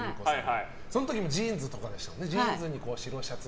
その時もジーンズとかでしたよね。